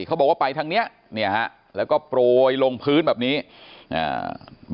เขาบอกว่าไปทางเนี้ยเนี้ยฮะแล้วก็โปรยลงพื้นแบบนี้อ่า